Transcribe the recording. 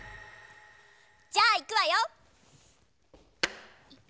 じゃあいくわよ！